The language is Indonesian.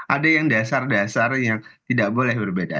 ada yang dasar dasar yang tidak boleh berbeda